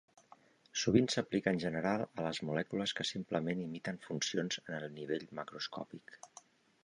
Sovint s'aplica en general a les molècules que simplement imiten funcions en el nivell macroscòpic.